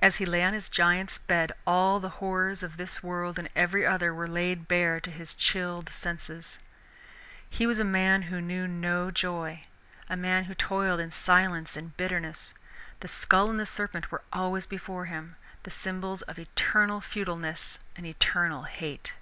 As he lay on his giant's bed all the horrors of this world and every other were laid bare to his chilled senses. He was a man who knew no joy, a man who toiled in silence and bitterness. The skull and the serpent were always before him, the symbols of eternal futileness and of eternal hate.